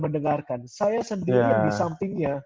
mendengarkan saya sendiri yang di sampingnya